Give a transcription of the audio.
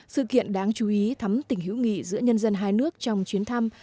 sự kiện đáng chú ý thắm tỉnh hữu nghị giữa nhân dân hai nước trong chuyến thăm